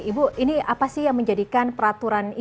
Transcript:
ibu ini apa sih yang menjadikan perangkat ini yang terjadi